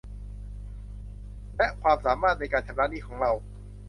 และความสามารถในการชำระหนี้ของเรา